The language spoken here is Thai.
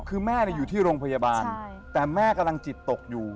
คือแม่อยู่ที่โรงพยาบาลแต่แม่กำลังจิตตกอยู่